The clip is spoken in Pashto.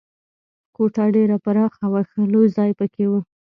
کوټه ډېره پراخه وه، ښه لوی ځای پکې و.